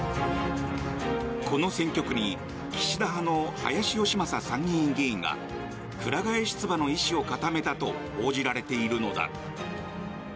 この選挙区に岸田派の林芳正参議院議員がくら替え出馬の意思を固めたと報じられているのだ。